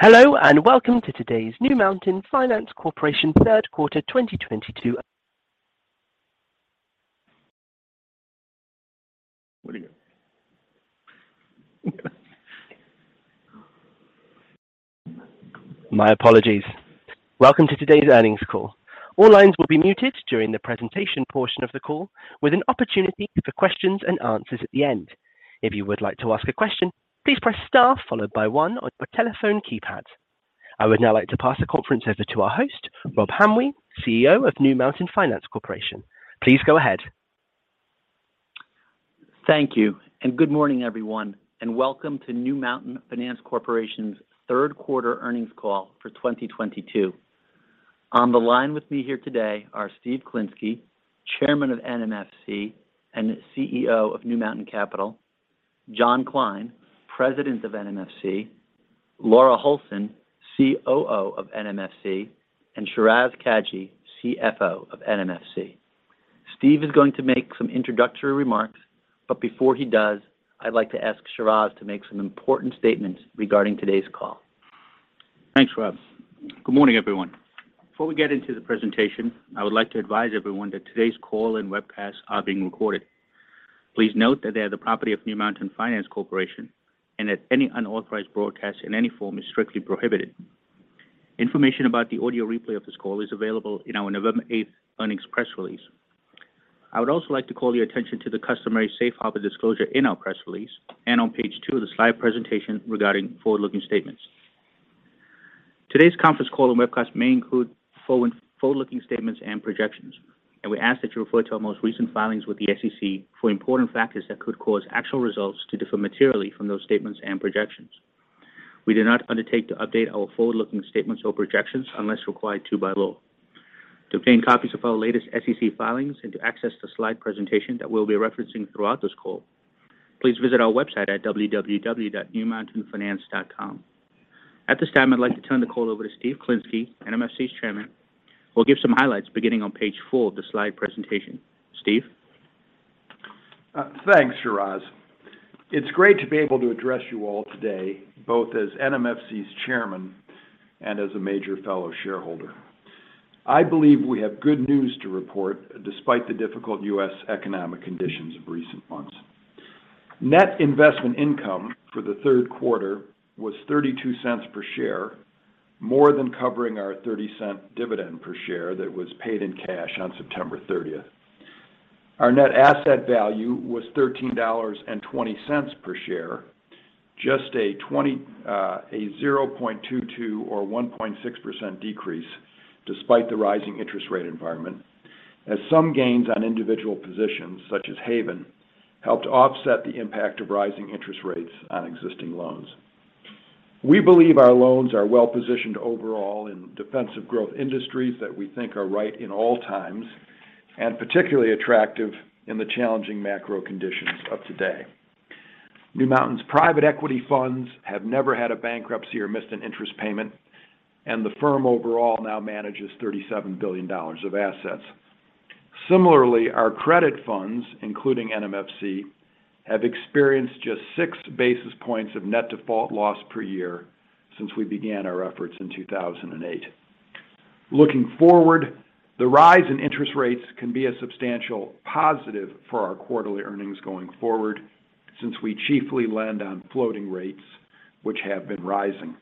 Hello, and welcome to today's earnings call. My apologies. All lines will be muted during the presentation portion of the call with an opportunity for questions-and-answers at the end. If you would like to ask a question, please press star followed by one on your telephone keypads. I would now like to pass the conference over to our host, Rob Hamwee, CEO of New Mountain Finance Corporation. Please go ahead. Thank you. Good morning, everyone, and welcome to New Mountain Finance Corporation's Third Quarter Earnings Call for 2022. On the line with me here today are Steve Klinsky, Chairman of NMFC and CEO of New Mountain Capital, John Kline, President of NMFC, Laura Holson, COO of NMFC, and Shiraz Kajee, CFO of NMFC. Steve is going to make some introductory remarks, but before he does, I'd like to ask Shiraz to make some important statements regarding today's call. Thanks, Rob. Good morning, everyone. Before we get into the presentation, I would like to advise everyone that today's call and webcast are being recorded. Please note that they are the property of New Mountain Finance Corporation, and that any unauthorized broadcast in any form is strictly prohibited. Information about the audio replay of this call is available in our November eighth earnings press release. I would also like to call your attention to the customary safe harbor disclosure in our press release and on page two of the slide presentation regarding forward-looking statements. Today's conference call and webcast may include forward-looking statements and projections, and we ask that you refer to our most recent filings with the SEC for important factors that could cause actual results to differ materially from those statements and projections. We do not undertake to update our forward-looking statements or projections unless required to by law. To obtain copies of our latest SEC filings and to access the slide presentation that we'll be referencing throughout this call, please visit our website at www.newmountainfinance.com. At this time, I'd like to turn the call over to Steve Klinsky, NMFC's Chairman, who will give some highlights beginning on page four of the slide presentation. Steve. Thanks, Shiraz. It's great to be able to address you all today, both as NMFC's chairman and as a major fellow shareholder. I believe we have good news to report despite the difficult U.S. economic conditions of recent months. Net investment income for the third quarter was $0.32 per share, more than covering our $0.30 dividend per share that was paid in cash on September 30th. Our net asset value was $13.20 per share. Just a $0.22 or 1.6% decrease despite the rising interest rate environment, as some gains on individual positions such as Haven helped offset the impact of rising interest rates on existing loans. We believe our loans are well-positioned overall in defensive growth industries that we think are right in all times and particularly attractive in the challenging macro conditions of today. New Mountain's private equity funds have never had a bankruptcy or missed an interest payment, and the firm overall now manages $37 billion of assets. Similarly, our credit funds, including NMFC, have experienced just six basis points of net default loss per year since we began our efforts in 2008. Looking forward, the rise in interest rates can be a substantial positive for our quarterly earnings going forward since we chiefly lend on floating rates which have been rising.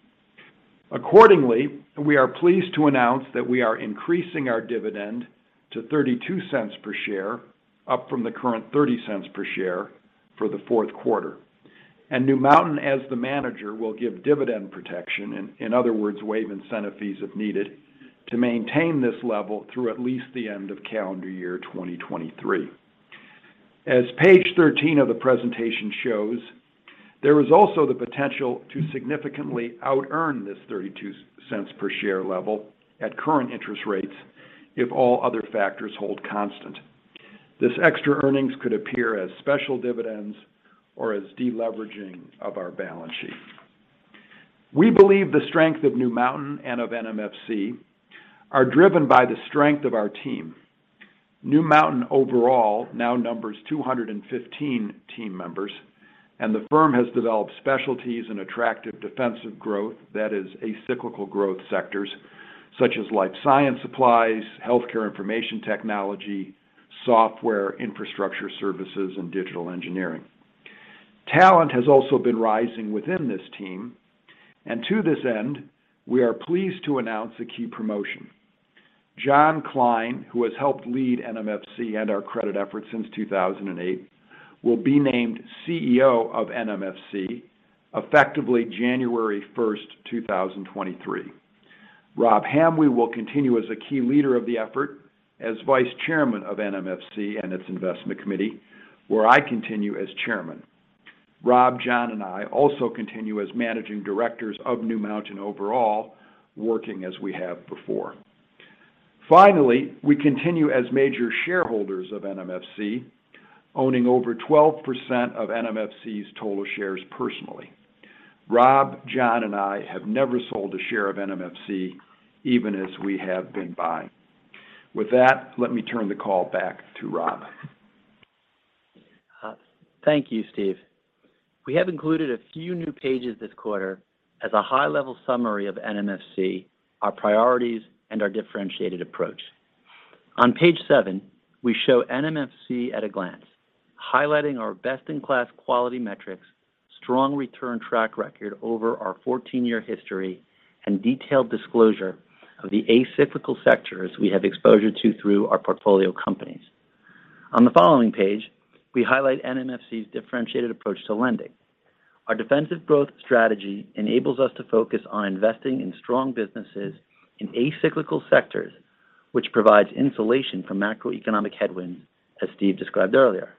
Accordingly, we are pleased to announce that we are increasing our dividend to $0.32 per share, up from the current $0.30 per share for the fourth quarter. New Mountain, as the manager, will give dividend protection, in other words, waive incentive fees if needed, to maintain this level through at least the end of calendar year 2023. As page 13 of the presentation shows, there is also the potential to significantly outearn this $0.32 per share level at current interest rates if all other factors hold constant. This extra earnings could appear as special dividends or as deleveraging of our balance sheet. We believe the strength of New Mountain and of NMFC are driven by the strength of our team. New Mountain overall now numbers 215 team members, and the firm has developed specialties in attractive defensive growth, that is, non-cyclical growth sectors such as life science supplies, healthcare information technology, software infrastructure services, and digital engineering. Talent has also been rising within this team, and to this end, we are pleased to announce a key promotion. John Kline, who has helped lead NMFC and our credit effort since 2008, will be named CEO of NMFC effectively January 1st, 2023. Rob Hamwee will continue as a key leader of the effort as vice chairman of NMFC and its investment committee, where I continue as chairman. Rob, John, and I also continue as managing directors of New Mountain overall, working as we have before. Finally, we continue as major shareholders of NMFC, owning over 12% of NMFC's total shares personally. Rob, John, and I have never sold a share of NMFC even as we have been buying. With that, let me turn the call back to Rob. Thank you, Steve. We have included a few new pages this quarter as a high-level summary of NMFC, our priorities, and our differentiated approach. On page seven, we show NMFC at a glance, highlighting our best-in-class quality metrics, strong return track record over our 14-year history, and detailed disclosure of the acyclical sectors we have exposure to through our portfolio companies. On the following page, we highlight NMFC's differentiated approach to lending. Our defensive growth strategy enables us to focus on investing in strong businesses in acyclical sectors, which provides insulation from macroeconomic headwinds, as Steve described earlier.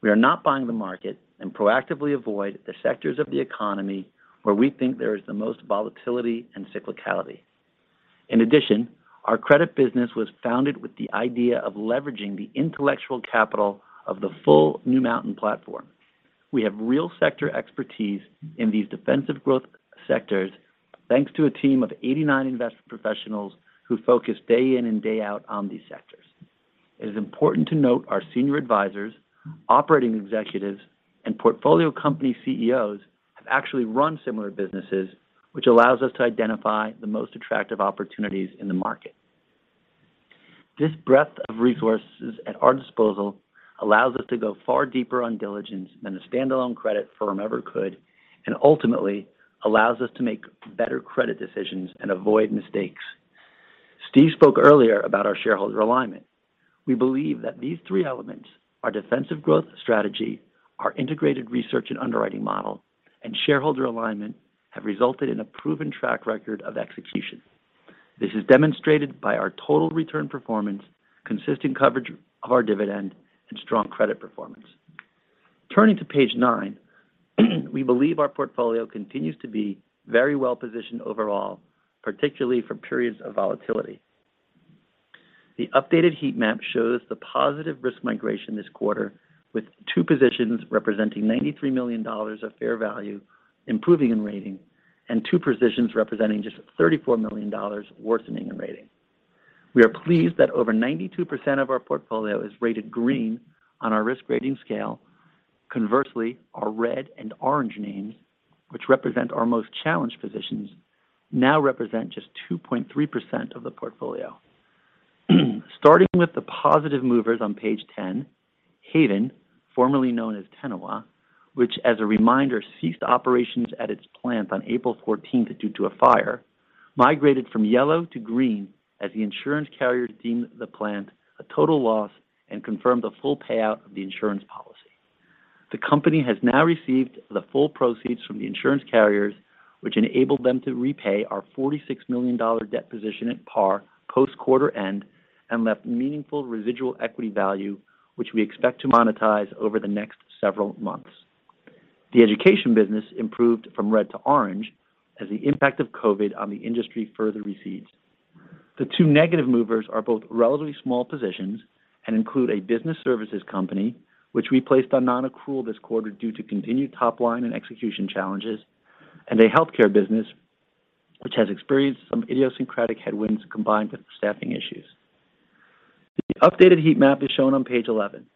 We are not buying the market and proactively avoid the sectors of the economy where we think there is the most volatility and cyclicality. In addition, our credit business was founded with the idea of leveraging the intellectual capital of the full New Mountain platform. We have real sector expertise in these defensive growth sectors, thanks to a team of 89 investment professionals who focus day in and day out on these sectors. It is important to note our senior advisors, operating executives, and portfolio company CEOs have actually run similar businesses, which allows us to identify the most attractive opportunities in the market. This breadth of resources at our disposal allows us to go far deeper on diligence than a standalone credit firm ever could, and ultimately allows us to make better credit decisions and avoid mistakes. Steve spoke earlier about our shareholder alignment. We believe that these three elements, our defensive growth strategy, our integrated research and underwriting model, and shareholder alignment, have resulted in a proven track record of execution. This is demonstrated by our total return performance, consistent coverage of our dividend, and strong credit performance. Turning to page nine, we believe our portfolio continues to be very well-positioned overall, particularly for periods of volatility. The updated heat map shows the positive risk migration this quarter, with two positions representing $93 million of fair value improving in rating and two positions representing just $34 million worsening in rating. We are pleased that over 92% of our portfolio is rated green on our risk rating scale. Conversely, our red and orange names, which represent our most challenged positions, now represent just 2.3% of the portfolio. Starting with the positive movers on page 10, Haven, formerly known as Tenawa, which as a reminder, ceased operations at its plant on April 14th due to a fire, migrated from yellow to green as the insurance carrier deemed the plant a total loss and confirmed the full payout of the insurance policy. The company has now received the full proceeds from the insurance carriers, which enabled them to repay our $46 million debt position at par post-quarter end and left meaningful residual equity value, which we expect to monetize over the next several months. The education business improved from red to orange as the impact of COVID on the industry further recedes. The two negative movers are both relatively small positions and include a business services company, which we placed on nonaccrual this quarter due to continued top-line and execution challenges, and a healthcare business which has experienced some idiosyncratic headwinds combined with staffing issues. The updated heat map is shown on page 11.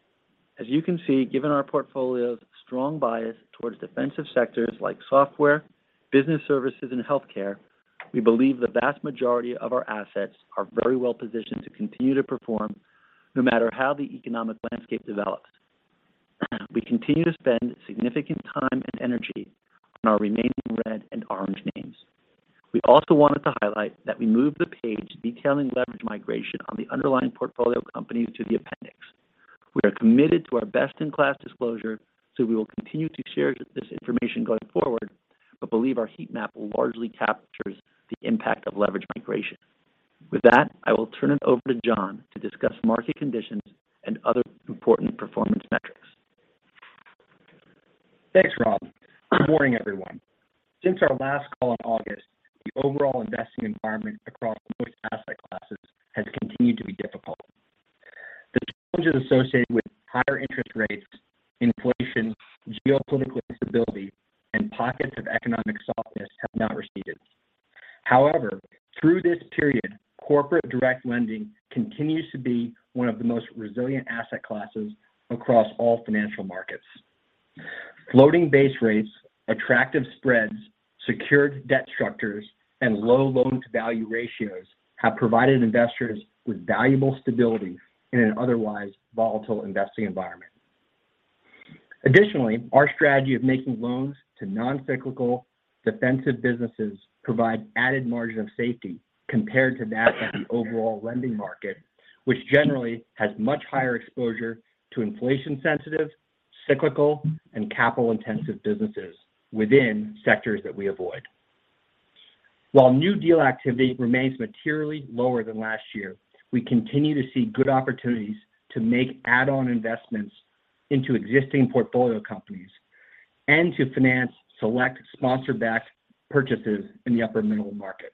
As you can see, given our portfolio's strong bias towards defensive sectors like software, business services, and healthcare, we believe the vast majority of our assets are very well-positioned to continue to perform no matter how the economic landscape develops. We continue to spend significant time and energy on our remaining red and orange names. We also wanted to highlight that we moved the page detailing leverage migration on the underlying portfolio companies to the appendix. We are committed to our best-in-class disclosure, so we will continue to share this information going forward, but believe our heat map largely captures the impact of leverage migration. With that, I will turn it over to John to discuss market conditions and other important performance metrics. Thanks, Rob. Good morning, everyone. Since our last call in August, the overall investing environment across most asset classes has continued to be difficult. The challenges associated with higher interest rates, inflation, geopolitical instability, and pockets of economic softness have not receded. However, through this period, corporate direct lending continues to be one of the most resilient asset classes across all financial markets. Floating base rates, attractive spreads, secured debt structures, and low loan-to-value ratios have provided investors with valuable stability in an otherwise volatile investing environment. Additionally, our strategy of making loans to non-cyclical defensive businesses provide added margin of safety compared to that of the overall lending market, which generally has much higher exposure to inflation-sensitive, cyclical, and capital-intensive businesses within sectors that we avoid. While new deal activity remains materially lower than last year, we continue to see good opportunities to make add-on investments into existing portfolio companies and to finance select sponsor-backed purchases in the upper middle market.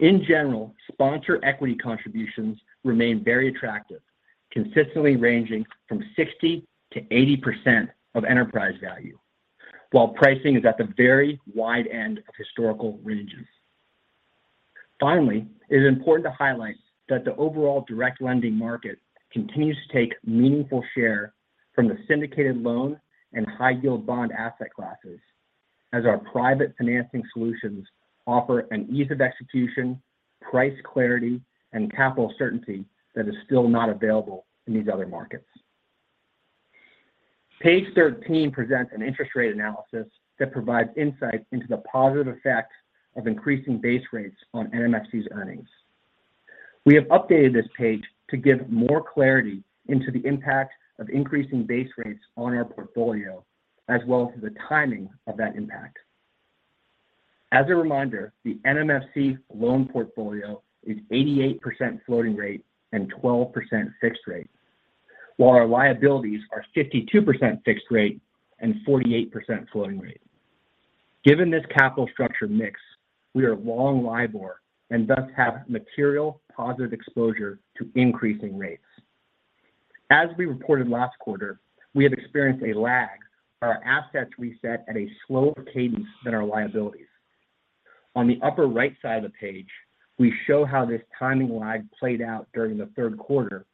In general, sponsor equity contributions remain very attractive, consistently ranging from 60%-80% of enterprise value, while pricing is at the very wide end of historical ranges. Finally, it is important to highlight that the overall direct lending market continues to take meaningful share from the syndicated loan and high yield bond asset classes as our private financing solutions offer an ease of execution, price clarity and capital certainty that is still not available in these other markets. Page 13 presents an interest rate analysis that provides insight into the positive effect of increasing base rates on NMFC's earnings. We have updated this page to give more clarity into the impact of increasing base rates on our portfolio, as well as the timing of that impact. As a reminder, the NMFC loan portfolio is 88% floating rate and 12% fixed rate. While our liabilities are 52% fixed rate and 48% floating rate. Given this capital structure mix, we are long LIBOR and thus have material positive exposure to increasing rates. As we reported last quarter, we have experienced a lag where our assets reset at a slower cadence than our liabilities. On the upper right side of the page, we show how this timing lag played out during the third quarter,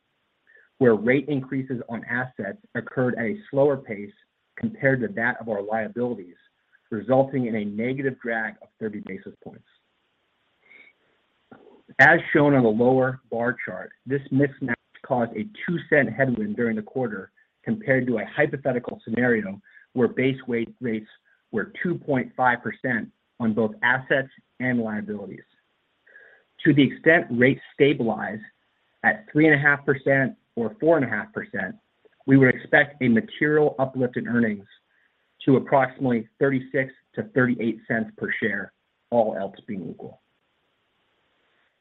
where rate increases on assets occurred at a slower pace compared to that of our liabilities, resulting in a negative drag of 30 basis points. As shown on the lower bar chart, this mismatch caused a $0.02 headwind during the quarter compared to a hypothetical scenario where base-weighted rates were 2.5% on both assets and liabilities. To the extent rates stabilize at 3.5% or 4.5%, we would expect a material uplift in earnings to approximately $0.36-$0.38 per share, all else being equal.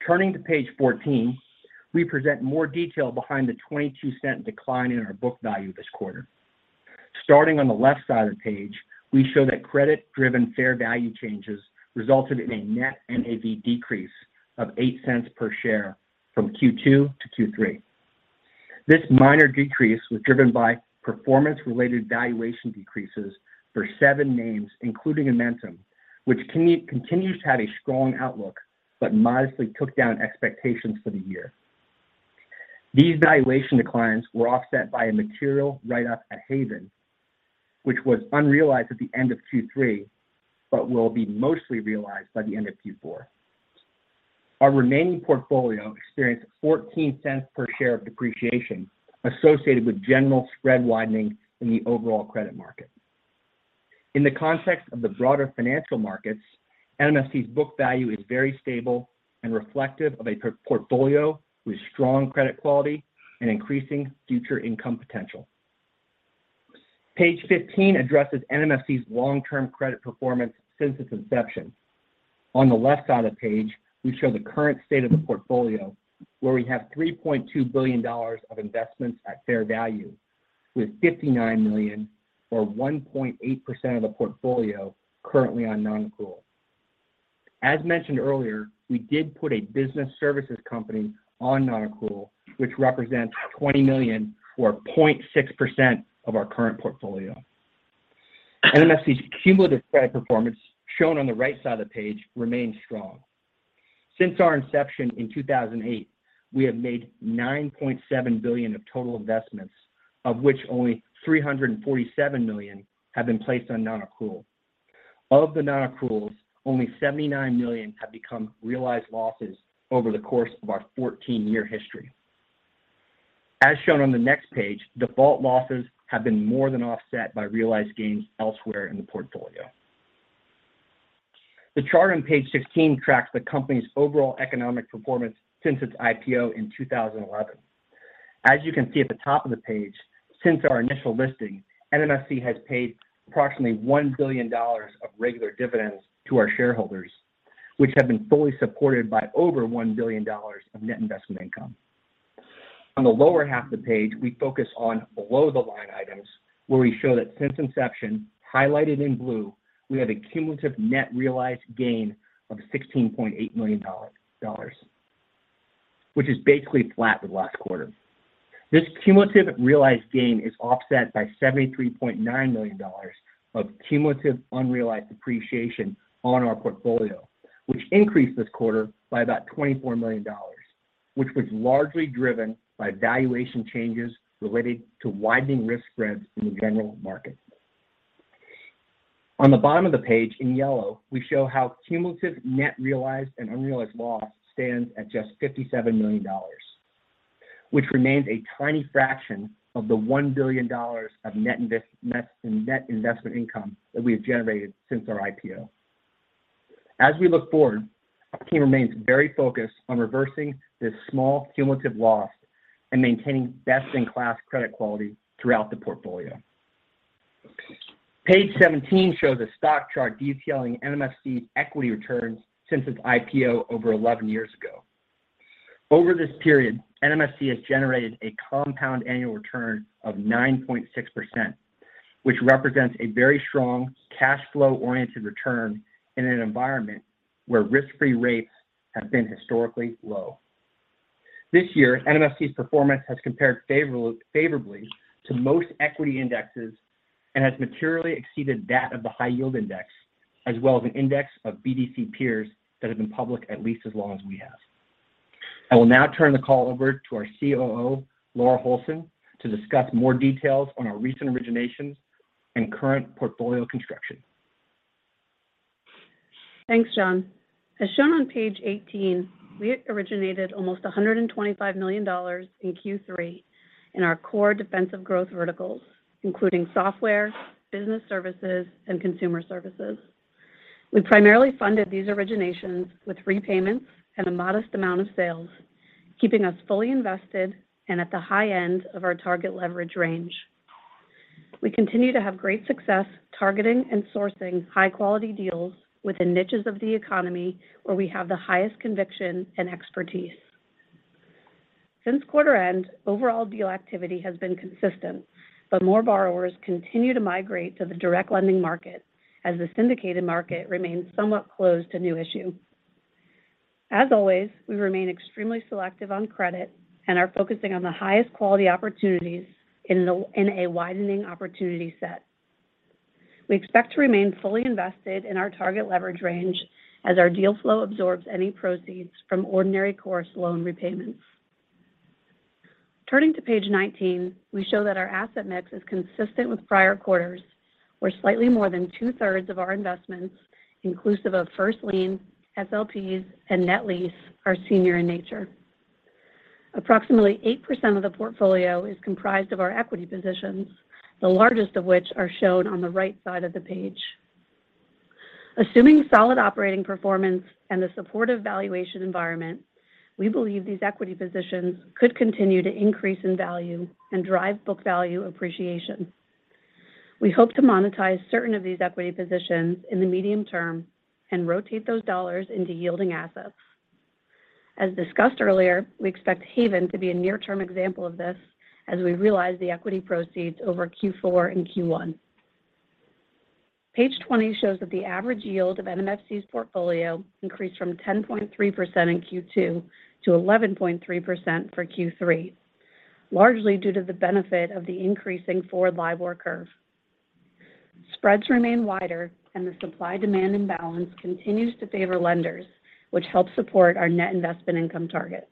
Turning to page 14, we present more detail behind the $0.22 decline in our book value this quarter. Starting on the left side of the page, we show that credit-driven fair value changes resulted in a net NAV decrease of $0.08 per share from Q2-Q3. This minor decrease was driven by performance-related valuation decreases for seven names, including Edmentum, which continues to have a strong outlook, but modestly took down expectations for the year. These valuation declines were offset by a material write-up at Haven, which was unrealized at the end of Q3, but will be mostly realized by the end of Q4. Our remaining portfolio experienced $0.14 per share of depreciation associated with general spread widening in the overall credit market. In the context of the broader financial markets, NMFC's book value is very stable and reflective of a portfolio with strong credit quality and increasing future income potential. Page 15 addresses NMFC's long-term credit performance since its inception. On the left side of the page, we show the current state of the portfolio, where we have $3.2 billion of investments at fair value, with $59 million or 1.8% of the portfolio currently on nonaccrual. As mentioned earlier, we did put a business services company on nonaccrual, which represents $20 million or 0.6% of our current portfolio. NMFC's cumulative credit performance, shown on the right side of the page, remains strong. Since our inception in 2008, we have made $9.7 billion of total investments, of which only $347 million have been placed on nonaccrual. Of the nonaccruals, only $79 million have become realized losses over the course of our 14-year history. As shown on the next page, default losses have been more than offset by realized gains elsewhere in the portfolio. The chart on page 16 tracks the company's overall economic performance since its IPO in 2011. As you can see at the top of the page, since our initial listing, NMFC has paid approximately $1 billion of regular dividends to our shareholders, which have been fully supported by over $1 billion of net investment income. On the lower half of the page, we focus on below-the-line items, where we show that since inception, highlighted in blue, we have a cumulative net realized gain of $16.8 million, which is basically flat with last quarter. This cumulative realized gain is offset by $73.9 million of cumulative unrealized appreciation on our portfolio, which increased this quarter by about $24 million, which was largely driven by valuation changes related to widening risk spreads in the general market. On the bottom of the page, in yellow, we show how cumulative net realized and unrealized loss stands at just $57 million, which remains a tiny fraction of the $1 billion of net investment income that we have generated since our IPO. As we look forward, our team remains very focused on reversing this small cumulative loss and maintaining best-in-class credit quality throughout the portfolio. Page 17 shows a stock chart detailing NMFC's equity returns since its IPO over 11 years ago. Over this period, NMFC has generated a compound annual return of 9.6%, which represents a very strong cash flow-oriented return in an environment where risk-free rates have been historically low. This year, NMFC's performance has compared favorably to most equity indexes and has materially exceeded that of the high yield index, as well as an index of BDC peers that have been public at least as long as we have. I will now turn the call over to our COO, Laura Holson, to discuss more details on our recent originations and current portfolio construction. Thanks, John. As shown on page 18, we originated almost $125 million in Q3 in our core defensive growth verticals, including software, business services, and consumer services. We primarily funded these originations with repayments and a modest amount of sales, keeping us fully invested and at the high end of our target leverage range. We continue to have great success targeting and sourcing high-quality deals within niches of the economy where we have the highest conviction and expertise. Since quarter end, overall deal activity has been consistent, but more borrowers continue to migrate to the direct lending market as the syndicated market remains somewhat closed to new issue. As always, we remain extremely selective on credit and are focusing on the highest quality opportunities in a widening opportunity set. We expect to remain fully invested in our target leverage range as our deal flow absorbs any proceeds from ordinary course loan repayments. Turning to page 19, we show that our asset mix is consistent with prior quarters, where slightly more than 2/3 of our investments, inclusive of first lien, SLPs, and net lease, are senior in nature. Approximately 8% of the portfolio is comprised of our equity positions, the largest of which are shown on the right side of the page. Assuming solid operating performance and a supportive valuation environment, we believe these equity positions could continue to increase in value and drive book value appreciation. We hope to monetize certain of these equity positions in the medium term and rotate those dollars into yielding assets. As discussed earlier, we expect Haven to be a near-term example of this as we realize the equity proceeds over Q4 and Q1. Page 20 shows that the average yield of NMFC's portfolio increased from 10.3% in Q2 to 11.3% for Q3, largely due to the benefit of the increasing forward LIBOR curve. Spreads remain wider and the supply-demand imbalance continues to favor lenders, which helps support our net investment income target.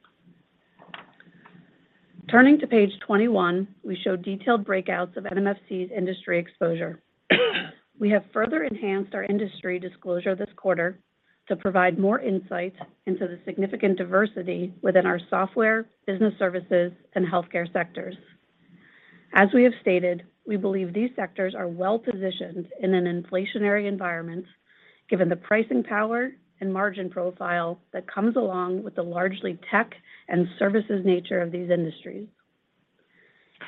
Turning to page 21, we show detailed breakouts of NMFC's industry exposure. We have further enhanced our industry disclosure this quarter to provide more insight into the significant diversity within our software, business services, and healthcare sectors. As we have stated, we believe these sectors are well-positioned in an inflationary environment given the pricing power and margin profile that comes along with the largely tech and services nature of these industries.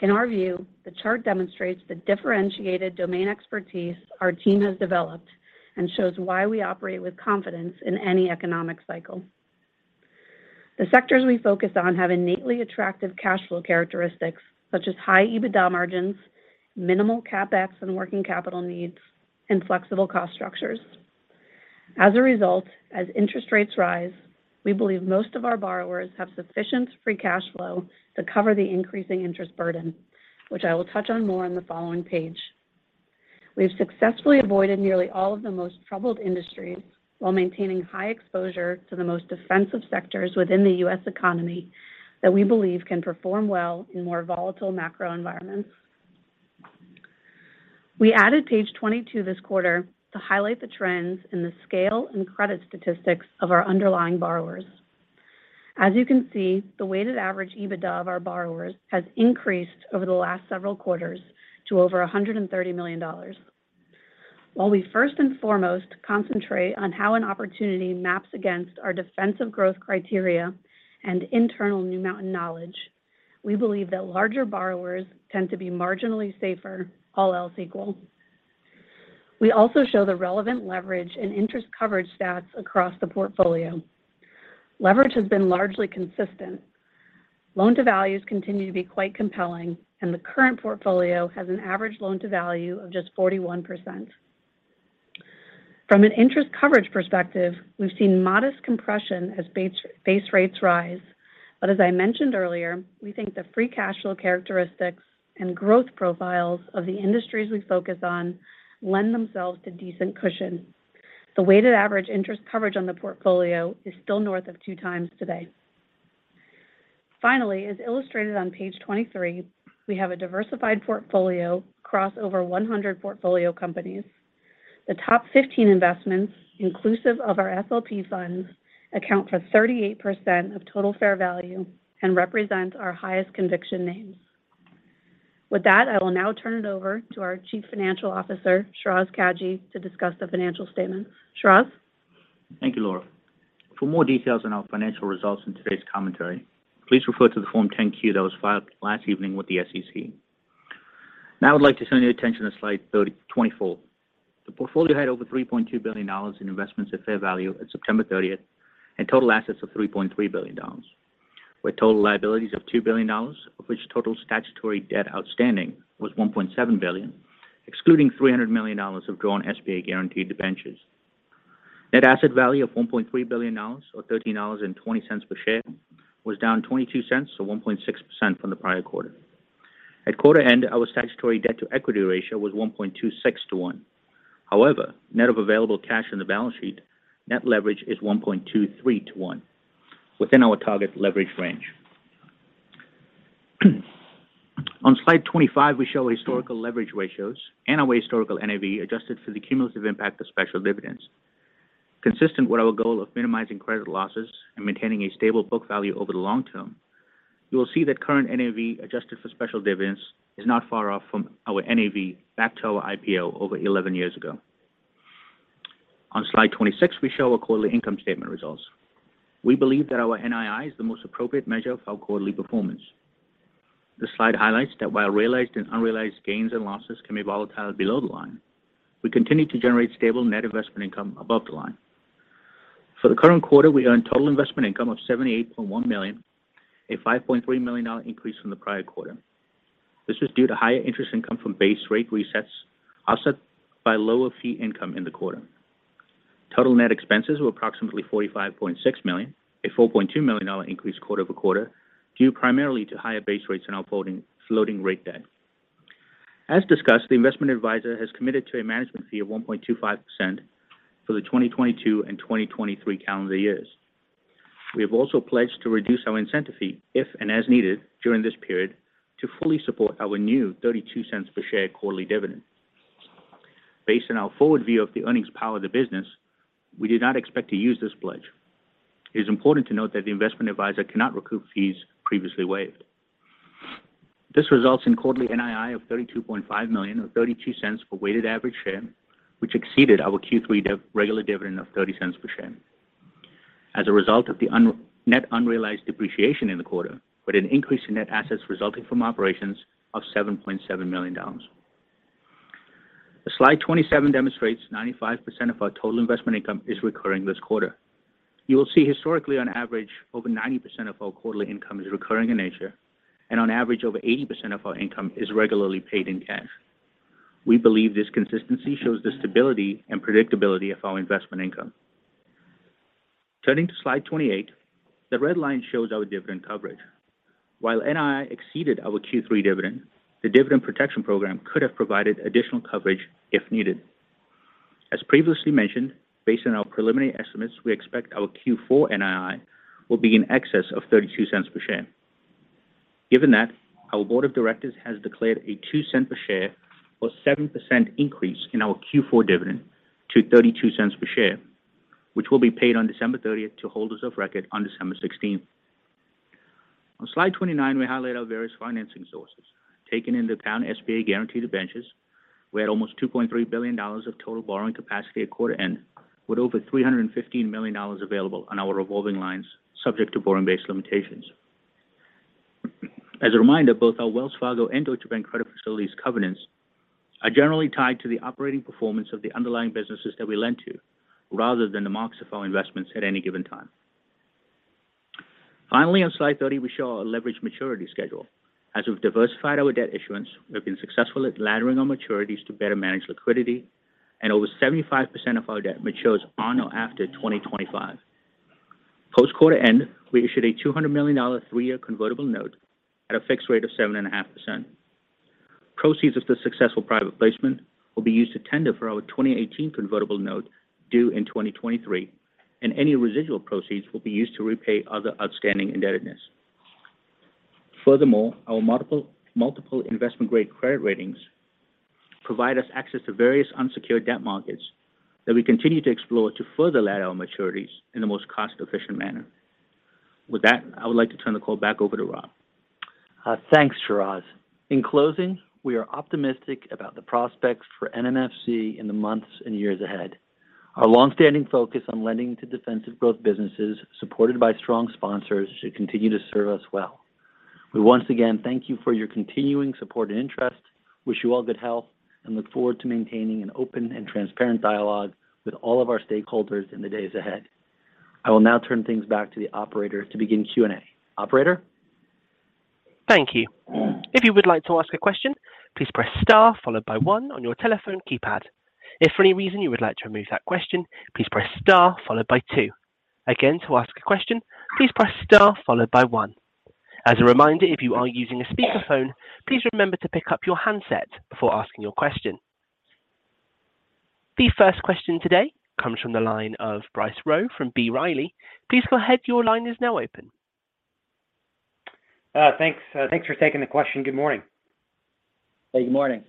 In our view, the chart demonstrates the differentiated domain expertise our team has developed and shows why we operate with confidence in any economic cycle. The sectors we focus on have innately attractive cash flow characteristics, such as high EBITDA margins, minimal CapEx and working capital needs, and flexible cost structures. As a result, as interest rates rise, we believe most of our borrowers have sufficient free cash flow to cover the increasing interest burden, which I will touch on more in the following page. We've successfully avoided nearly all of the most troubled industries while maintaining high exposure to the most defensive sectors within the U.S. economy that we believe can perform well in more volatile macro environments. We added page 22 this quarter to highlight the trends in the scale and credit statistics of our underlying borrowers. As you can see, the weighted average EBITDA of our borrowers has increased over the last several quarters to over $130 million. While we first and foremost concentrate on how an opportunity maps against our defensive growth criteria and internal New Mountain knowledge, we believe that larger borrowers tend to be marginally safer, all else equal. We also show the relevant leverage and interest coverage stats across the portfolio. Leverage has been largely consistent. Loan-to-value ratios continue to be quite compelling, and the current portfolio has an average loan-to-value of just 41%. From an interest coverage perspective, we've seen modest compression as base rates rise. As I mentioned earlier, we think the free cash flow characteristics and growth profiles of the industries we focus on lend themselves to decent cushion. The weighted average interest coverage on the portfolio is still north of 2x today. Finally, as illustrated on page 23, we have a diversified portfolio across over 100 portfolio companies. The top 15 investments inclusive of our SLP funds account for 38% of total fair value and represent our highest conviction names. With that, I will now turn it over to our Chief Financial Officer, Shiraz Kajee, to discuss the financial statement. Shiraz? Thank you, Laura. For more details on our financial results in today's commentary, please refer to the Form 10-Q that was filed last evening with the SEC. Now I'd like to turn your attention to slide 24. The portfolio had over $3.2 billion in investments at fair value at September 30th and total assets of $3.3 billion, with total liabilities of $2 billion, of which total statutory debt outstanding was $1.7 billion, excluding $300 million of drawn SBA guaranteed debentures. Net asset value of $1.3 billion, or $13.20 per share, was down $0.22, so 1.6% from the prior quarter. At quarter end, our statutory debt to equity ratio was 1.26 to 1. However, net of available cash in the balance sheet, net leverage is 1.23 to 1 within our target leverage range. On slide 25, we show historical leverage ratios and our historical NAV adjusted for the cumulative impact of special dividends. Consistent with our goal of minimizing credit losses and maintaining a stable book value over the long term, you will see that current NAV adjusted for special dividends is not far off from our NAV back to our IPO over 11 years ago. On slide 26, we show our quarterly income statement results. We believe that our NII is the most appropriate measure of our quarterly performance. This slide highlights that while realized and unrealized gains and losses can be volatile below the line, we continue to generate stable net investment income above the line. For the current quarter, we earned total investment income of $78.1 million, a $5.3 million increase from the prior quarter. This was due to higher interest income from base rate resets, offset by lower fee income in the quarter. Total net expenses were approximately $45.6 million, a $4.2 million increase quarter-over-quarter, due primarily to higher base rates in our floating rate debt. As discussed, the investment advisor has committed to a management fee of 1.25% for the 2022 and 2023 calendar years. We have also pledged to reduce our incentive fee if and as needed during this period to fully support our new $0.32 per share quarterly dividend. Based on our forward view of the earnings power of the business, we do not expect to use this pledge. It is important to note that the investment advisor cannot recoup fees previously waived. This results in quarterly NII of $32.5 million, or $0.32 per weighted average share, which exceeded our Q3 regular dividend of $0.30 per share. As a result of the net unrealized depreciation in the quarter, with an increase in net assets resulting from operations of $7.7 million. Slide 27 demonstrates 95% of our total investment income is recurring this quarter. You will see historically on average, over 90% of our quarterly income is recurring in nature, and on average over 80% of our income is regularly paid in cash. We believe this consistency shows the stability and predictability of our investment income. Turning to slide 28, the red line shows our dividend coverage. While NII exceeded our Q3 dividend, the dividend protection program could have provided additional coverage if needed. As previously mentioned, based on our preliminary estimates, we expect our Q4 NII will be in excess of $0.32 per share. Given that, our Board of Directors has declared a $0.02 per share or 7% increase in our Q4 dividend to $0.32 per share, which will be paid on December 30th to holders of record on December 16th. On slide 29, we highlight our various financing sources. Taking into account SBA guaranteed debentures, we had almost $2.3 billion of total borrowing capacity at quarter end, with over $315 million available on our revolving lines subject to borrowing base limitations. As a reminder, both our Wells Fargo and Deutsche Bank credit facilities covenants are generally tied to the operating performance of the underlying businesses that we lend to, rather than the marks of our investments at any given time. Finally, on slide 30, we show our leverage maturity schedule. As we've diversified our debt issuance, we've been successful at laddering our maturities to better manage liquidity, and over 75% of our debt matures on or after 2025. Post-quarter end, we issued a $200 million three-year convertible note at a fixed rate of 7.5%. Proceeds of the successful private placement will be used to tender for our 2018 convertible note due in 2023, and any residual proceeds will be used to repay other outstanding indebtedness. Furthermore, our multiple investment-grade credit ratings provide us access to various unsecured debt markets that we continue to explore to further ladder our maturities in the most cost-efficient manner. With that, I would like to turn the call back over to Rob. Thanks, Shiraz. In closing, we are optimistic about the prospects for NMFC in the months and years ahead. Our long-standing focus on lending to defensive growth businesses supported by strong sponsors should continue to serve us well. We once again thank you for your continuing support and interest, wish you all good health, and look forward to maintaining an open and transparent dialogue with all of our stakeholders in the days ahead. I will now turn things back to the operator to begin Q&A. Operator? Thank you. If you would like to ask a question, please press star followed by one on your telephone keypad. If for any reason you would like to remove that question, please press star followed by two. Again, to ask a question, please press star followed by one. As a reminder, if you are using a speakerphone, please remember to pick up your handset before asking your question. The first question today comes from the line of Bryce Rowe from B. Riley Securities. Please go ahead. Your line is now open. Thanks for taking the question. Good morning. Hey, good morning.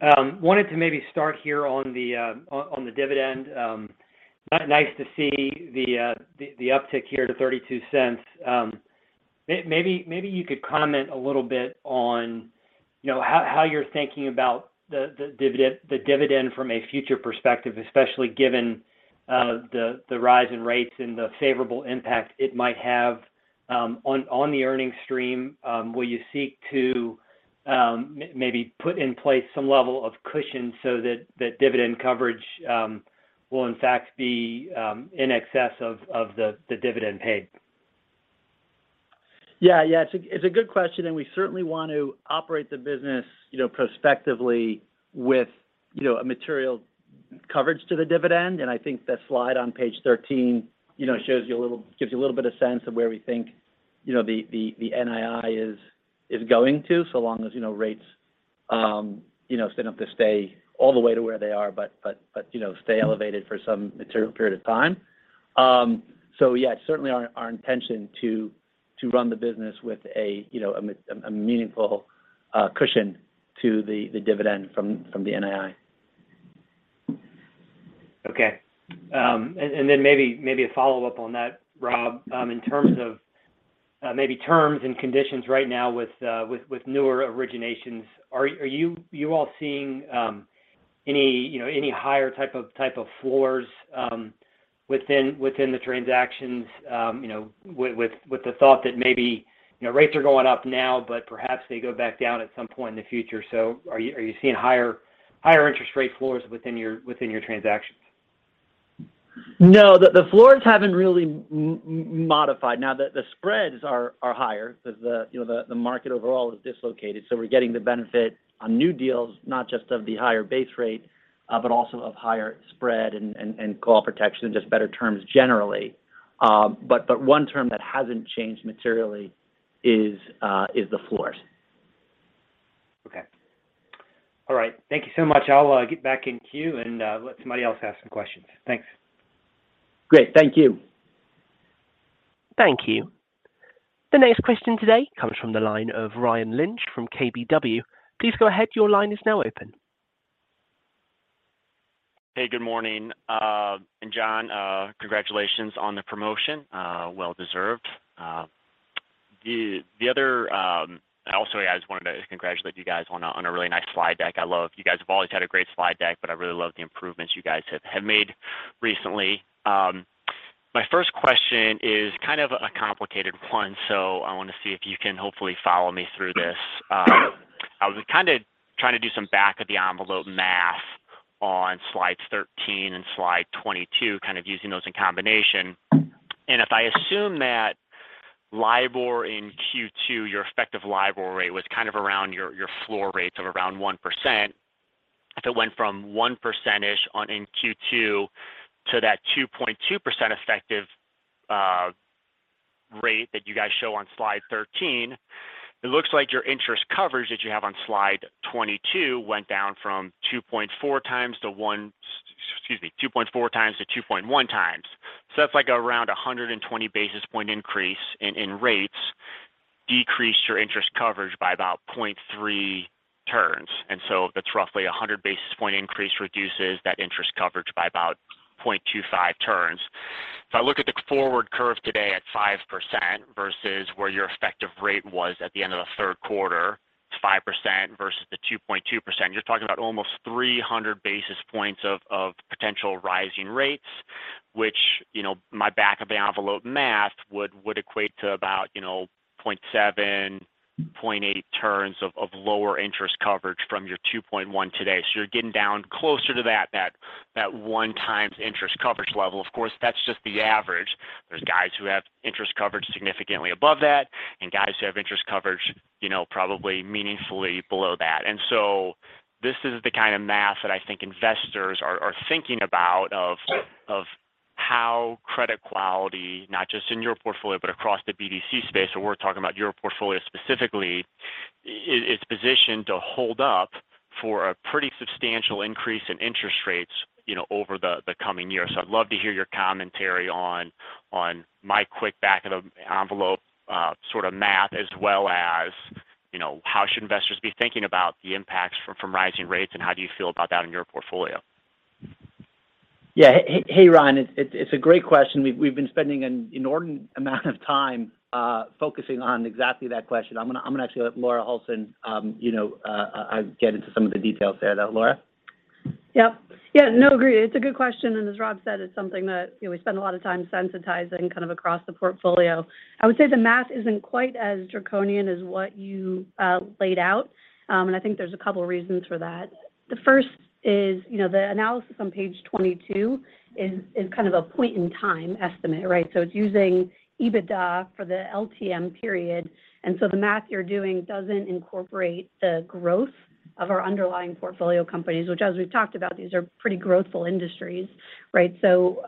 Wanted to maybe start here on the dividend. Kind of nice to see the uptick here to $0.32. Maybe you could comment a little bit on, you know, how you're thinking about the dividend from a future perspective, especially given the rise in rates and the favorable impact it might have on the earnings stream. Will you seek to maybe put in place some level of cushion so that dividend coverage will in fact be in excess of the dividend paid? Yeah. It's a good question, and we certainly want to operate the business, you know, prospectively with, you know, a material coverage to the dividend. I think the slide on page 13, you know, gives you a little bit of sense of where we think, you know, the NII is going to, so long as, you know, rates, you know, stay up to stay all the way to where they are, but stay elevated for some material period of time. Yeah, certainly our intention to run the business with a, you know, a meaningful cushion to the dividend from the NII. Okay. Maybe a follow-up on that, Rob. In terms of maybe terms and conditions right now with newer originations, are you all seeing any, you know, any higher type of floors within the transactions, you know, with the thought that maybe, you know, rates are going up now, but perhaps they go back down at some point in the future. Are you seeing higher interest rate floors within your transactions? No. The floors haven't really modified. Now the spreads are higher 'cause the, you know, the market overall is dislocated, so we're getting the benefit on new deals not just of the higher base rate, but also of higher spread and call protection and just better terms generally. One term that hasn't changed materially is the floors. Okay. All right. Thank you so much. I'll get back in queue and let somebody else ask some questions. Thanks. Great. Thank you. Thank you. The next question today comes from the line of Ryan Lynch from KBW. Please go ahead. Your line is now open. Hey, good morning. John, congratulations on the promotion, well deserved. Also, I just wanted to congratulate you guys on a really nice slide deck. I love you guys have always had a great slide deck, but I really love the improvements you guys have made recently. My first question is kind of a complicated one, so I want to see if you can hopefully follow me through this. I was kind of trying to do some back of the envelope math on slides 13 and slide 22, kind of using those in combination. If I assume that LIBOR in Q2, your effective LIBOR rate was kind of around your floor rates of around 1%. If it went from 1%-ish on in Q2 to that 2.2% effective rate that you guys show on slide 13, it looks like your interest coverage that you have on slide 22 went down from 2.4x-2.1x. That's like around 120 basis point increase in rates decreased your interest coverage by about 0.3 turns. That's roughly 100 basis point increase reduces that interest coverage by about 0.25 turns. If I look at the forward curve today at 5% versus where your effective rate was at the end of the third quarter, 5% versus the 2.2%, you're talking about almost 300 basis points of potential rising rates, which, you know, my back of the envelope math would equate to about, you know, 0.7, 0.8 turns of lower interest coverage from your 2.1x today. You're getting down closer to that one times interest coverage level. Of course, that's just the average. There's guys who have interest coverage significantly above that and guys who have interest coverage, you know, probably meaningfully below that. This is the kind of math that I think investors are thinking about of how credit quality, not just in your portfolio, but across the BDC space, so we're talking about your portfolio specifically, is positioned to hold up for a pretty substantial increase in interest rates, you know, over the coming years. I'd love to hear your commentary on my quick back of the envelope sort of math as well as, you know, how should investors be thinking about the impacts from rising rates, and how do you feel about that in your portfolio? Yeah. Hey, Ryan, it's a great question. We've been spending an inordinate amount of time focusing on exactly that question. I'm gonna actually let Laura Holson, you know, get into some of the details there, though. Laura? Yeah. No, agree. It's a good question. As Rob said, it's something that, you know, we spend a lot of time sensitizing kind of across the portfolio. I would say the math isn't quite as draconian as what you laid out. I think there's a couple of reasons for that. The first is, you know, the analysis on page 22 is kind of a point in time estimate, right? It's using EBITDA for the LTM period. The math you're doing doesn't incorporate the growth of our underlying portfolio companies, which as we've talked about, these are pretty growthful industries, right?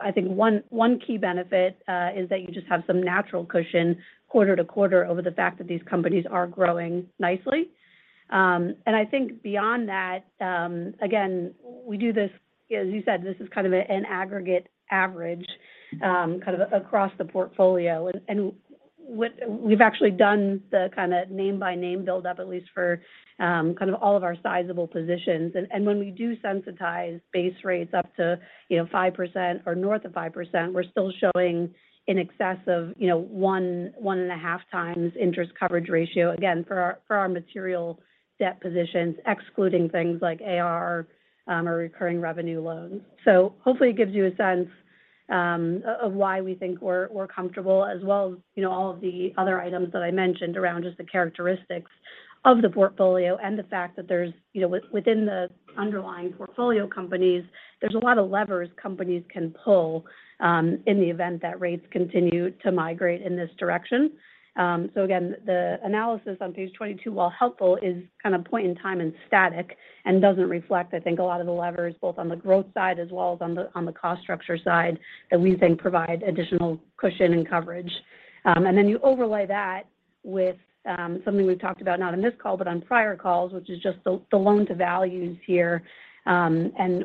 I think one key benefit is that you just have some natural cushion quarter-to-quarter over the fact that these companies are growing nicely. I think beyond that, again, we do this as you said, this is kind of an aggregate average kind of across the portfolio. We've actually done the kind of name by name build up at least for kind of all of our sizable positions. When we do sensitize base rates up to, you know, 5% or north of 5%, we're still showing in excess of, you know, one and a half times interest coverage ratio, again, for our material debt positions, excluding things like AR or recurring revenue loans. Hopefully it gives you a sense of why we think we're comfortable as well as, you know, all of the other items that I mentioned around just the characteristics of the portfolio and the fact that there's, you know, within the underlying portfolio companies, there's a lot of levers companies can pull in the event that rates continue to migrate in this direction. Again, the analysis on page 22, while helpful, is kind of point in time and static and doesn't reflect, I think, a lot of the levers both on the growth side as well as on the cost structure side that we think provide additional cushion and coverage. Then you overlay that with something we've talked about not on this call, but on prior calls, which is just the loan-to-values here.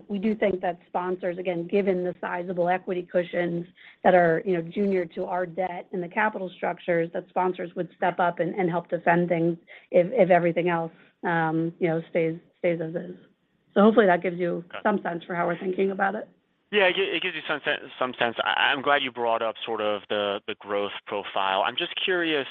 We do think that sponsors, again, given the sizable equity cushions that are, you know, junior to our debt and the capital structures, that sponsors would step up and help defend things if everything else, you know, stays as is. Hopefully that gives you. Got it. Some sense for how we're thinking about it. Yeah. It gives you some sense. I'm glad you brought up sort of the growth profile. I'm just curious,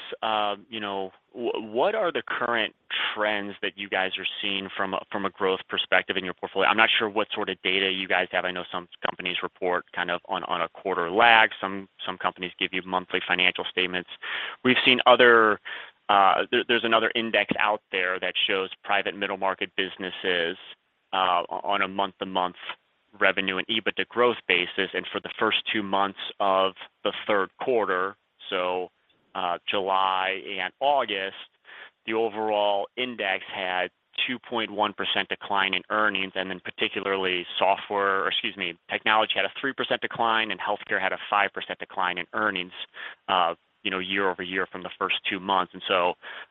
you know, what are the current trends that you guys are seeing from a growth perspective in your portfolio? I'm not sure what sort of data you guys have. I know some companies report kind of on a quarter lag. Some companies give you monthly financial statements. We've seen other. There's another index out there that shows private middle market businesses on a month-to-month revenue and EBITDA growth basis. For the first two months of the third quarter, July and August, the overall index had 2.1% decline in earnings. Particularly technology had a 3% decline, and healthcare had a 5% decline in earnings year-over-year from the first two months.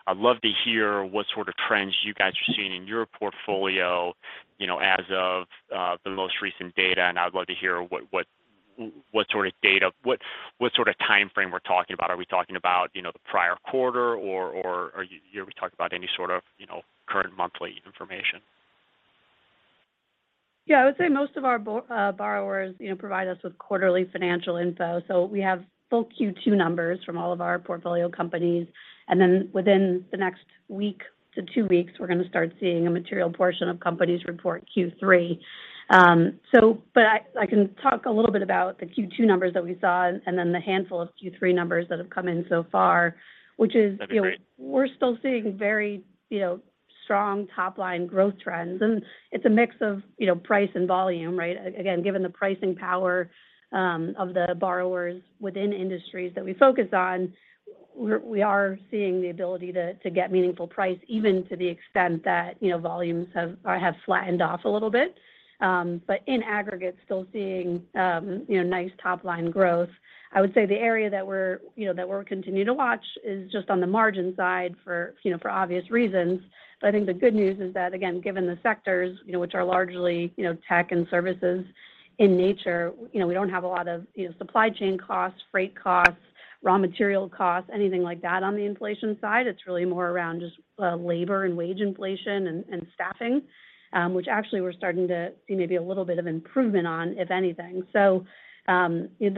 I'd love to hear what sort of trends you guys are seeing in your portfolio as of the most recent data. I would love to hear what sort of data, what sort of timeframe we're talking about. Are we talking about the prior quarter, or are we talking about any sort of current monthly information? Yeah. I would say most of our borrowers, you know, provide us with quarterly financial info. We have full Q2 numbers from all of our portfolio companies. Within the next week to two weeks, we're going to start seeing a material portion of companies report Q3. I can talk a little bit about the Q2 numbers that we saw and then the handful of Q3 numbers that have come in so far, which is, you know- That'd be great. We're still seeing very, you know, strong top line growth trends. It's a mix of, you know, price and volume, right? Again, given the pricing power of the borrowers within industries that we focus on, we are seeing the ability to get meaningful price even to the extent that, you know, volumes have flattened off a little bit. In aggregate, still seeing, you know, nice top line growth. I would say the area that we're, you know, that we'll continue to watch is just on the margin side for, you know, for obvious reasons. I think the good news is that, again, given the sectors, you know, which are largely, you know, tech and services in nature, you know, we don't have a lot of, you know, supply chain costs, freight costs, raw material costs, anything like that on the inflation side. It's really more around just labor and wage inflation and staffing, which actually we're starting to see maybe a little bit of improvement on, if anything. The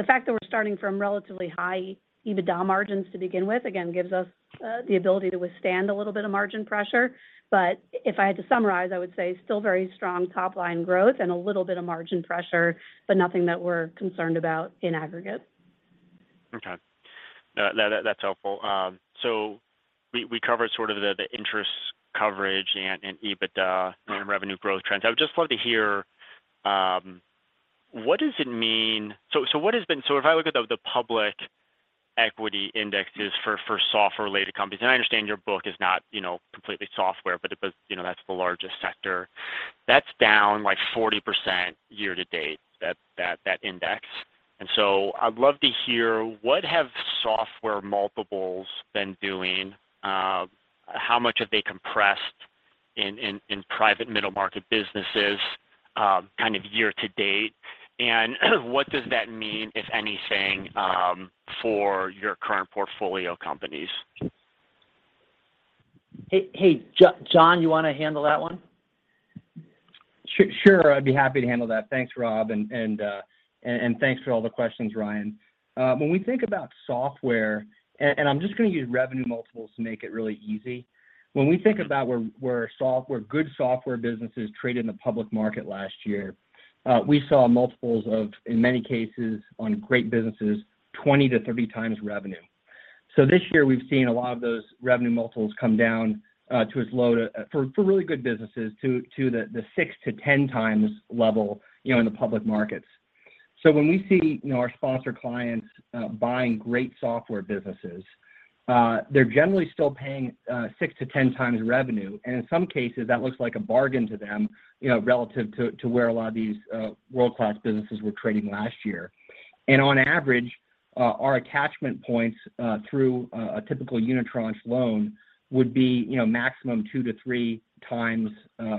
fact that we're starting from relatively high EBITDA margins to begin with, again, gives us the ability to withstand a little bit of margin pressure. If I had to summarize, I would say still very strong top line growth and a little bit of margin pressure, but nothing that we're concerned about in aggregate. Okay. No, that's helpful. We covered sort of the interest coverage and EBITDA... Mm-hmm. revenue growth trends. I would just love to hear what has been. So if I look at the public equity indexes for software-related companies, and I understand your book is not, you know, completely software, but you know, that's the largest sector. That's down, like, 40% year-to-date, that index. I'd love to hear what software multiples have been doing. How much have they compressed in private middle market businesses, kind of year-to-date? And what does that mean, if anything, for your current portfolio companies? Hey, John, you wanna handle that one? Sure. I'd be happy to handle that. Thanks, Rob. And thanks for all the questions, Ryan. When we think about software, and I'm just gonna use revenue multiples to make it really easy. When we think about where good software businesses traded in the public market last year, we saw multiples of, in many cases, on great businesses, 20x-30x revenue. This year, we've seen a lot of those revenue multiples come down to as low as, for really good businesses, the 6x-10x level, you know, in the public markets. When we see, you know, our sponsor clients buying great software businesses, they're generally still paying 6x-10x revenue. In some cases, that looks like a bargain to them, you know, relative to where a lot of these world-class businesses were trading last year. On average, our attachment points through a typical unitranche loan would be, you know, maximum 2x-3x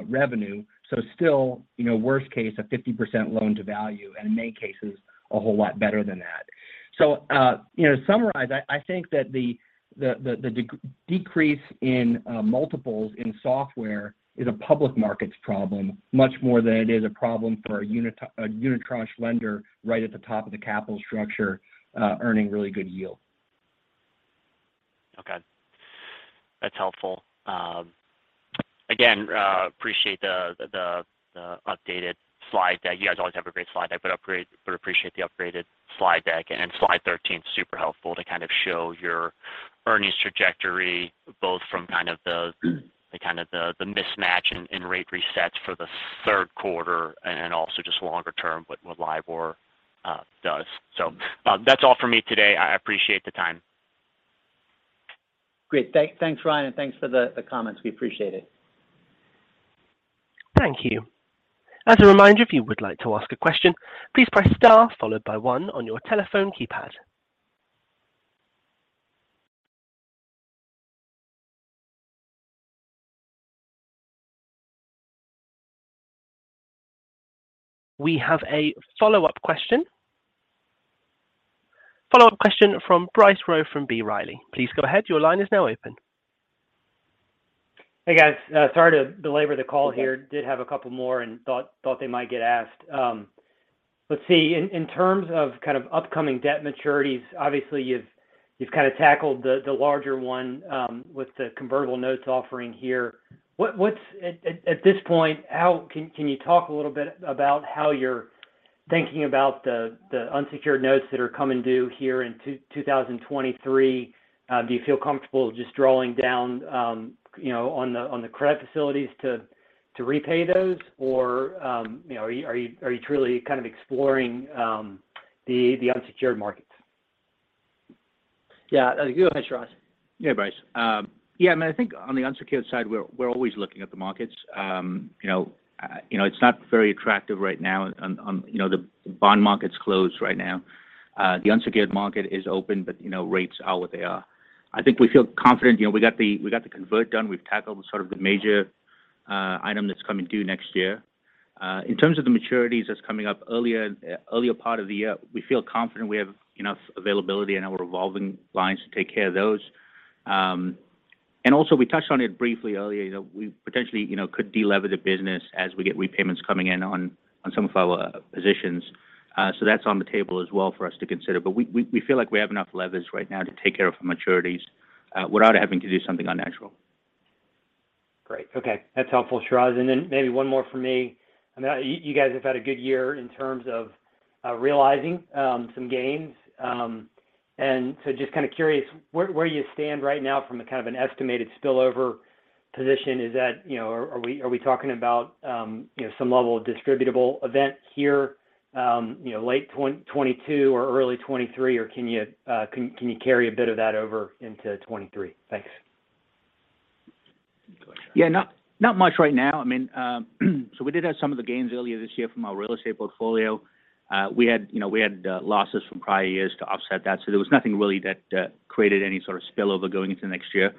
revenue. Still, you know, worst case, a 50% loan-to-value, and in many cases, a whole lot better than that. You know, to summarize, I think that the decrease in multiples in software is a public markets problem much more than it is a problem for a unitranche lender right at the top of the capital structure, earning really good yield. That's helpful. Again, appreciate the updated slide deck. You guys always have a great slide deck, but appreciate the upgraded slide deck. Slide 13 is super helpful to kind of show your earnings trajectory, both from kind of the mismatch in rate resets for the third quarter and also just longer term with what LIBOR does. That's all for me today. I appreciate the time. Great. Thanks, Ryan, and thanks for the comments. We appreciate it. Thank you. As a reminder, if you would like to ask a question, please press star followed by one on your telephone keypad. We have a follow-up question. Follow-up question from Bryce Rowe from B. Riley Securities. Please go ahead. Your line is now open. Hey, guys. Sorry to belabor the call here... That's okay. did have a couple more and thought they might get asked. Let's see. In terms of kind of upcoming debt maturities, obviously you've kind of tackled the larger one with the convertible notes offering here. At this point, how can you talk a little bit about how you're thinking about the unsecured notes that are coming due here in 2023? Do you feel comfortable just drawing down, you know, on the credit facilities to repay those? Or, you know, are you truly kind of exploring the unsecured markets? Yeah. Go ahead, Shiraz. Yeah, Bryce. Yeah, I mean, I think on the unsecured side, we're always looking at the markets. You know, it's not very attractive right now on the bond market. The bond market's closed right now. The unsecured market is open, but you know, rates are what they are. I think we feel confident. You know, we got the convert done. We've tackled sort of the major item that's coming due next year. In terms of the maturities that's coming up earlier part of the year, we feel confident we have enough availability in our revolving lines to take care of those. Also we touched on it briefly earlier, you know, we potentially could delever the business as we get repayments coming in on some of our positions. That's on the table as well for us to consider. We feel like we have enough levers right now to take care of maturities without having to do something unnatural. Great. Okay. That's helpful, Shiraz. Then maybe one more for me. I mean, you guys have had a good year in terms of realizing some gains. Just kinda curious where you stand right now from a kind of an estimated spillover position. You know, are we talking about some level of distributable event here, you know, late 2022 or early 2023? Or can you carry a bit of that over into 2023? Thanks. Go ahead, Shiraz. Yeah. Not much right now. I mean, we did have some of the gains earlier this year from our real estate portfolio. We had, you know, losses from prior years to offset that, so there was nothing really that created any sort of spillover going into next year.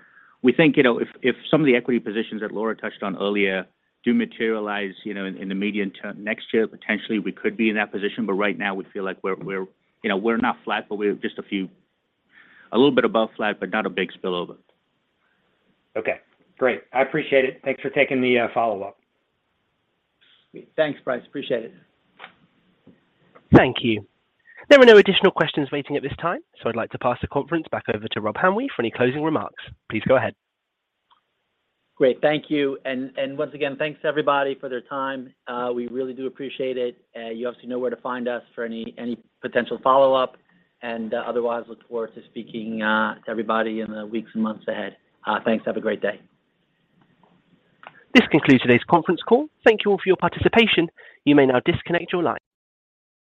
We think, you know, if some of the equity positions that Laura touched on earlier do materialize, you know, in the medium term next year, potentially we could be in that position. Right now we feel like we're. You know, we're not flat, but we're a little bit above flat, but not a big spillover. Okay, great. I appreciate it. Thanks for taking the follow-up. Great. Thanks, Bryce. Appreciate it. Thank you. There are no additional questions waiting at this time, so I'd like to pass the conference back over to Rob Hamwee for any closing remarks. Please go ahead. Great. Thank you. Once again, thanks to everybody for their time. We really do appreciate it. You obviously know where to find us for any potential follow-up. Otherwise look forward to speaking to everybody in the weeks and months ahead. Thanks. Have a great day. This concludes today's conference call. Thank you all for your participation. You may now disconnect your line.